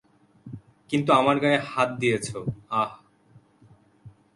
কিন্তু আমার গায়ে হাত দিয়েছো, আহ!